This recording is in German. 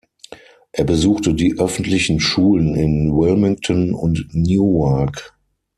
Er besuchte die öffentlichen Schulen in Wilmington und Newark.